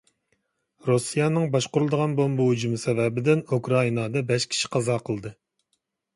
رۇسىيەنىڭ باشقۇرۇلىدىغان بومبا ھۇجۇمى سەۋەبىدىن ئۇكرائىنادا بەش كىشى قازا قىلدى.